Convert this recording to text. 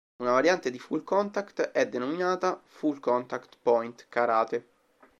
Una variante di Full contact è denominata Full Contact Point Karate.